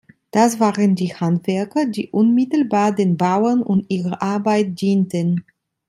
Das waren die Handwerker, die unmittelbar den Bauern und ihrer Arbeit dienten.